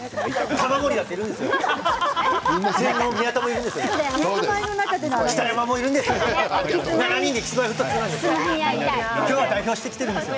玉森だっているんですよ！